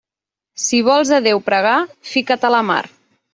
Si vols a Déu pregar, fica't a la mar.